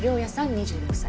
２６歳。